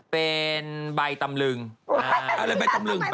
เป็นใบตำลึง